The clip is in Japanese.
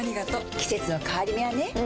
季節の変わり目はねうん。